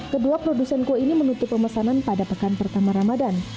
kedua produsen kue ini menutup pemesanan pada pekan pertama ramadan